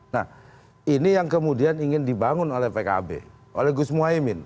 nah ini yang kemudian ingin dibangun oleh pkb oleh gus muhaymin